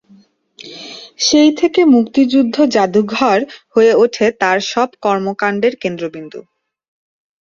সেই থেকে মুক্তিযুদ্ধ জাদুঘর হয়ে ওঠে তার সব কর্মকাণ্ডের কেন্দ্রবিন্দু।